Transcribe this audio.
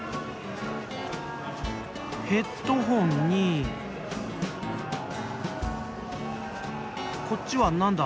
ヘッドホンにこっちは何だ？